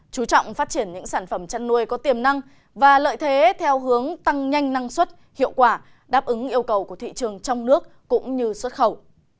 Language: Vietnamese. chú trọng phát triển những sản phẩm chăn nuôi có tiềm năng và lợi thế theo hướng tăng nhanh năng suất hiệu quả đáp ứng yêu cầu của thị trường trong nước cũng như xuất khẩu